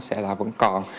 sẽ là vẫn còn